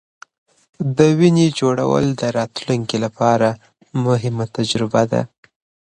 د وینې جوړول د راتلونکې لپاره مهمه تجربه ده.